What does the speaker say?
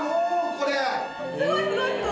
これ。